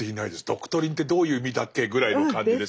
「ドクトリン」ってどういう意味だっけぐらいの感じです。